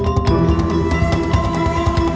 aku akan menjaga mereka